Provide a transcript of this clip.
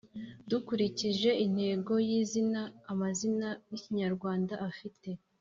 Dukurikije intego y’izina, amazina y’Ikimyarwanda afite